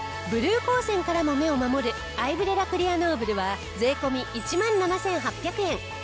ブルー光線からも目を守るアイブレラクリアノーブルは税込１万７８００円。